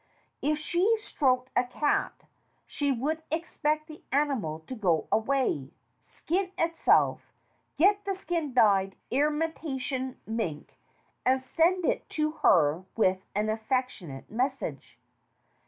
If she stroked a cat she would expect the animal to go away, skin itself, get the skin dyed imitation mink, and send it to her with an affectionate message.